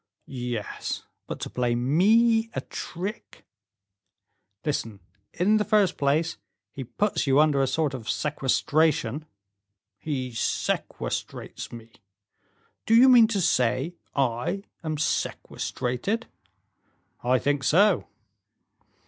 "Yes, but to play me a trick " "Listen: in the first place, he puts you under a sort of sequestration." "He sequestrates me! Do you mean to say I am sequestrated?" "I think so."